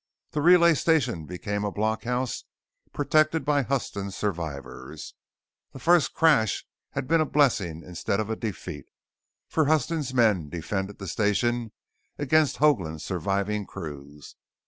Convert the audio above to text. The relay station became a block house protected by Huston's survivors. The first crash had been a blessing instead of a defeat, for Huston's men defended the station against Hoagland's surviving crews.